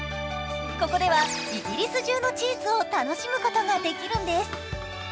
ここではイギリス中のチーズを楽しむことができるんです。